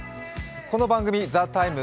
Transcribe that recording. この番組、「ＴＨＥＴＩＭＥ，」